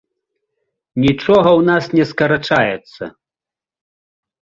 Нічога ў нас не скарачаецца!